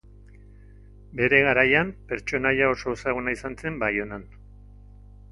Bere garaian pertsonaia oso ezaguna izan zen Baionan.